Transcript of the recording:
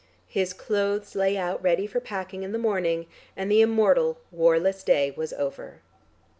His clothes lay out ready for packing in the morning, and the immortal warless day was over.